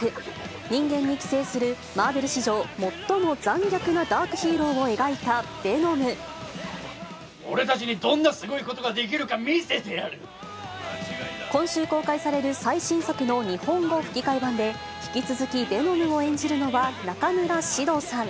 人間に寄生するマーベル史上最も残虐なダークヒーローを描いたヴ俺たちにどんなすごいことが今週公開される最新作の日本語吹き替え版で、引き続きヴェノムを演じるのは、中村獅童さん。